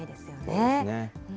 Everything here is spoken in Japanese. そうですね。